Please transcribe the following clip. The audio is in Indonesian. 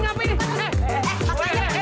pak pajang kehasil karya lu be